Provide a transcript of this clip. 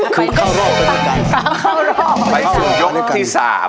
เข้าโลกไปด้วยกัน